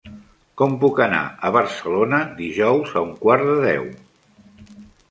Com puc anar a Barcelona dijous a un quart de deu?